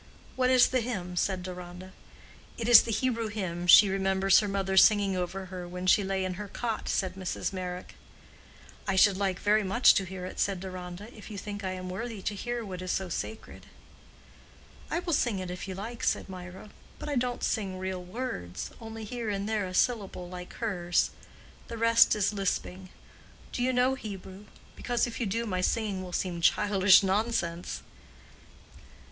"What is the hymn?" said Deronda. "It is the Hebrew hymn she remembers her mother singing over her when she lay in her cot," said Mrs. Meyrick. "I should like very much to hear it," said Deronda, "if you think I am worthy to hear what is so sacred." "I will sing it if you like," said Mirah, "but I don't sing real words—only here and there a syllable like hers—the rest is lisping. Do you know Hebrew? because if you do, my singing will seem childish nonsense."